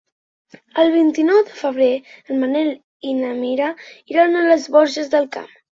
El vint-i-nou de febrer en Manel i na Mira iran a les Borges del Camp.